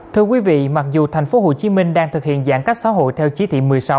thưa quý vị mặc dù thành phố hồ chí minh đang thực hiện giãn cách xã hội theo chí thị một mươi sáu